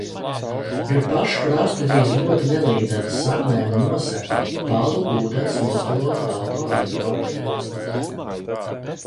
Gar pašu krastu vijas ļoti nelīdzena, saknēm nosegta, palu ūdens noskalota auto iebraukta josla.